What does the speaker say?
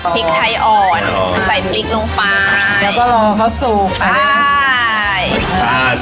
พริกไทยอ่อนใส่พริกลงไปเดี๋ยวก็รอเขาสูบไปดีกว่าใช่